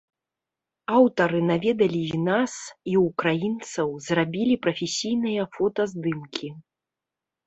Аўтары наведалі і нас, і ўкраінцаў, зрабілі прафесійныя фотаздымкі.